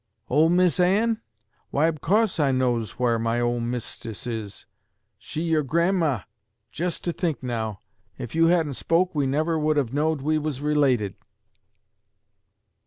"Ole Mis' Anne? Why ob cose I knows whar my ole mistis is! She your gran'ma! Jus' to think now, if you hadn't spoke we never would have knowed we was related!"